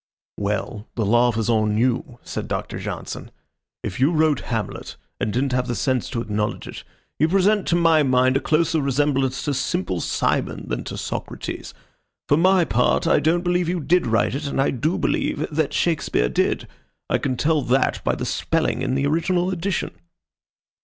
"Well, the laugh is on you," said Doctor Johnson. "If you wrote Hamlet and didn't have the sense to acknowledge it, you present to my mind a closer resemblance to Simple Simon than to Socrates. For my part, I don't believe you did write it, and I do believe that Shakespeare did. I can tell that by the spelling in the original edition."